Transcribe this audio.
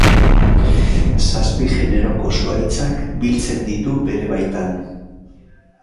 Zazpi generoko zuhaitzak biltzen ditu bere baitan.